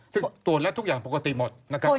จึงตัวเนี่ยทุกอย่างปกติหมด